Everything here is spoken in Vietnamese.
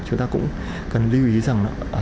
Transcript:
chúng ta cũng cần lưu ý rằng đó